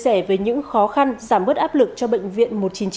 và để chia sẻ với những khó khăn giảm bớt áp lực cho bệnh viện một trăm chín mươi chín